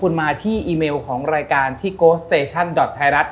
จังหวัดซวย